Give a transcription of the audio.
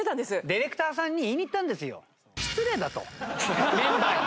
ディレクターさんに言いに行ったんですよ失礼だとメンバーに。